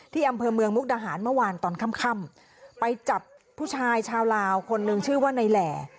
ที่อำเภอเมืองมุกดาหารเมื่อวานตอนค่ำไปจับผู้ชายชาวลาวคนหนึ่งชื่อว่าในแหล่